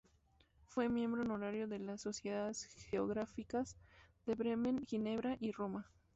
Fue miembro honorario de las Sociedades Geográficas de Bremen, Ginebra y Roma.